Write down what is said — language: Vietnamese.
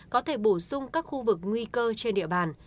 có thể bổ sung các khu vực nguy cơ trên địa bàn